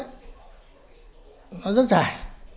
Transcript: nó rất dài